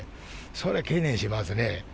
それを懸念しますね。